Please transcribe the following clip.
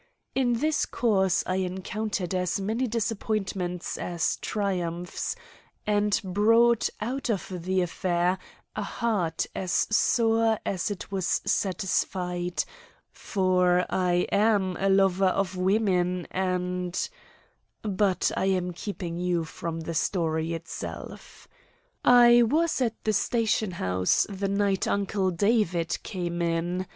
In its course I encountered as many disappointments as triumphs, and brought out of the affair a heart as sore as it was satisfied; for I am a lover of women and— But I am keeping you from the story itself. I was at the station house the night Uncle David came in.